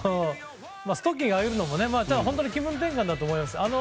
まあストッキングはくのも本当に気分転換だと思います。